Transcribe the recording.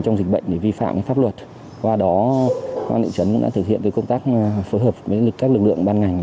trong dịch bệnh để vi phạm pháp luật qua đó công an thị trấn cũng đã thực hiện công tác phối hợp với các lực lượng ban ngành